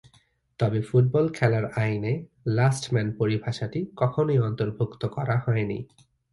তবে ফুটবল খেলার আইনে "লাস্ট ম্যান" পরিভাষাটি কখনোই অন্তর্ভুক্ত করা হয়নি।